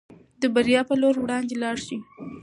د بریا په لور وړاندې لاړ شئ.